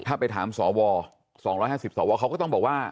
ถ้าไปถามสว๒๕๐สวเขาก็ต้องบอกว่า